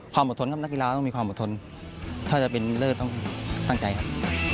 อดทนครับนักกีฬาต้องมีความอดทนถ้าจะเป็นเลิศต้องตั้งใจครับ